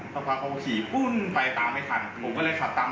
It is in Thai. ผมมาจอดกันเพราะมาจอดที่หลัง